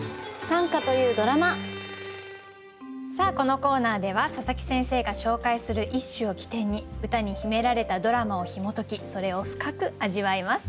さあこのコーナーでは佐佐木先生が紹介する一首を起点に歌に秘められたドラマをひも解きそれを深く味わいます。